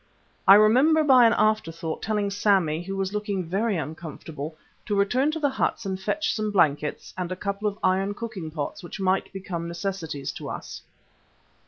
I remember by an afterthought, telling Sammy, who was looking very uncomfortable, to return to the huts and fetch some blankets and a couple of iron cooking pots which might become necessities to us.